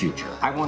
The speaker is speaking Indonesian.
ia adalah perang